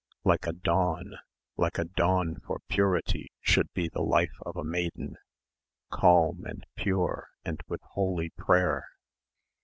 Like a dawn, like a dawn for purity should be the life of a maiden. Calm, and pure and with holy prayer."